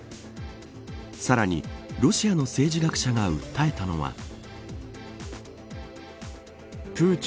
さらにロシアの政治学者が訴えたのは。